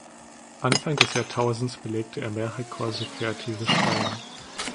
Anfang des Jahrtausends belegte er mehrere Kurse Kreatives Schreiben.